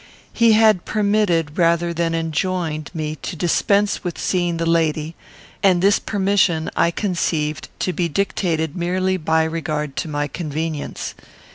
He had permitted, rather than enjoined, me to dispense with seeing the lady; and this permission I conceived to be dictated merely by regard to my convenience.